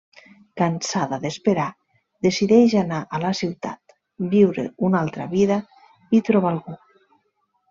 Cansada d'esperar, decideix anar a la ciutat, viure una altra vida i trobar algú.